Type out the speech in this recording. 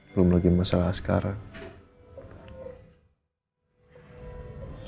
belum lagi masalah sekarang